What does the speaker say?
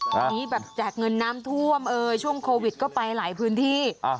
ทีนี้แบบแจกเงินน้ำท่วมช่วงโควิดก็ไปหลายพื้นที่